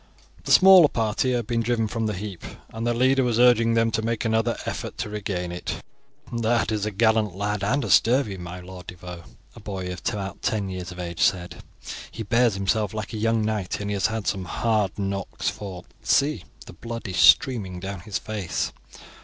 The smaller party had just been driven from the heap, and their leader was urging them to make another effort to regain it. "That is a gallant looking lad, and a sturdy, my Lord de Vaux," a boy of about ten years of age said. "He bears himself like a young knight, and he has had some hard knocks, for, see, the blood is streaming down his face.